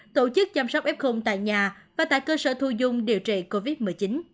tổ chức chăm sóc f tại nhà và tại cơ sở thu dung điều trị covid một mươi chín